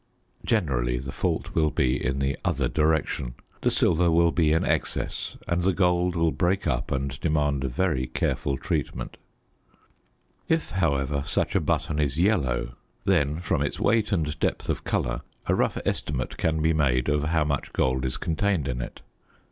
Generally the fault will be in the other direction; the silver will be in excess and the gold will break up and demand very careful treatment. If, however, such a button is yellow, then, from its weight and depth of colour, a rough estimate can be made of how much gold is contained in it.